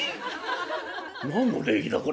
何の礼儀だこれは」。